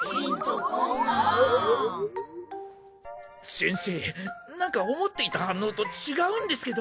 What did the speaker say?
先生なんか思っていた反応と違うんですけど。